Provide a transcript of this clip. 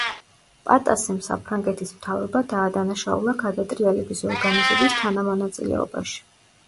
პატასემ საფრანგეთის მთავრობა დაადანაშაულა გადატრიალების ორგანიზების თანამონაწილეობაში.